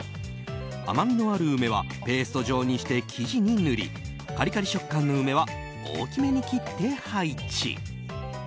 甘みのある梅はペースト状にして生地に塗りカリカリ食感の梅は大きめに切って配置。